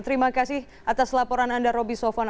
terima kasih atas laporan anda roby sofwan